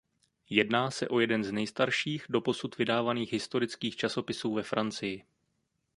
Jedná se o jeden z nejstarších doposud vydávaných historických časopisů ve Francii.